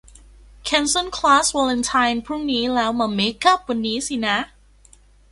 แคนเซิลคลาสวาเลนไทน์พรุ่งนี้ แล้วมาเมกอัพวันนี้สินะ